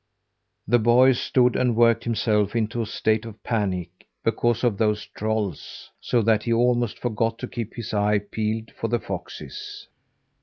The boy stood and worked himself into a state of panic because of those trolls, so that he almost forgot to keep his eye peeled for the foxes.